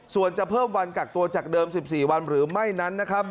ส่วนจะเพิ่มวันกักตัวจากเดิม๑๔วันหรือไม่นั้นนะครับ